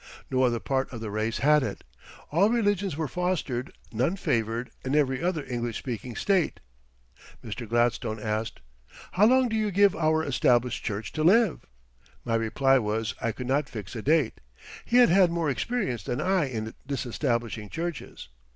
No other part of the race had it. All religions were fostered, none favored, in every other English speaking state. Mr. Gladstone asked: "How long do you give our Established Church to live?" My reply was I could not fix a date; he had had more experience than I in disestablishing churches.